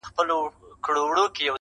زړه مي له رباب سره ياري کوي.